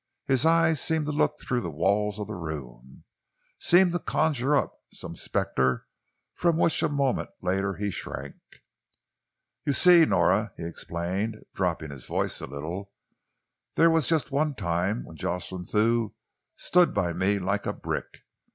His eyes seemed to look through the walls of the room, seemed to conjure up some spectre from which a moment later he shrank. "You see, Nora," he explained, dropping his voice a little, "there was just one time when Jocelyn Thew stood by me like a brick.